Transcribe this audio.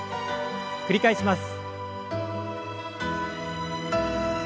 繰り返します。